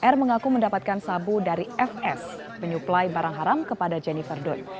r mengaku mendapatkan sabu dari fs menyuplai barang haram kepada jennifer dun